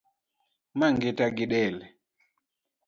Ma ngita gidel